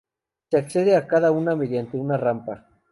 Se accede a cada una mediante una rampa.